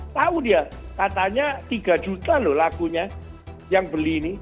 tahu dia katanya tiga juta loh lagunya yang beli ini